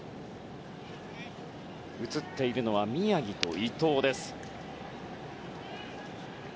映っていたのは宮城と伊藤です。